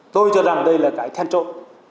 tôi cho rằng đây là cái then trộn